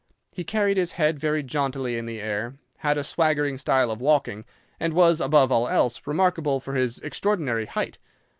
He carried his head very jauntily in the air, had a swaggering style of walking, and was, above all else, remarkable for his extraordinary height.